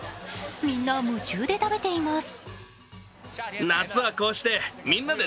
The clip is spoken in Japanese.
みんな夢中で食べています。